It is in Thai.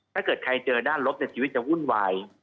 ถ้าเกิดใครเจอด้านลบชีวิตจะวุ่นวาย